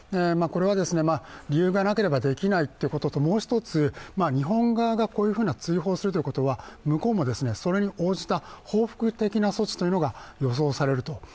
これは理由がなければできないということと、もう１つ、日本側がこういう追放するということは、向こうもそれに応じた報復的な措置というのが予想されると。